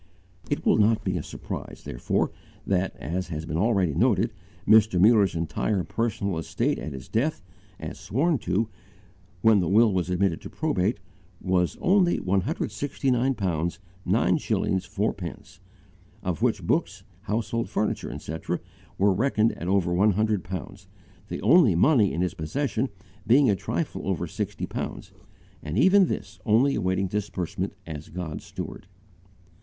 It will not be a surprise, therefore, that, as has been already noted, Mr. Muller's entire personal estate at his death, as sworn to, when the will was admitted to probate, was only 169 pounds 9s. 4d., of which books, household furniture, etc., were reckoned at over one hundred pounds, the only money in his possession being a trifle over sixty pounds, and even this only awaiting disbursement as God's steward.